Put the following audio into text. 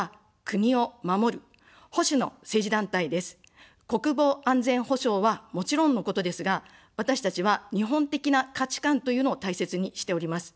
国防安全保障はもちろんのことですが、私たちは日本的な価値観というのを大切にしております。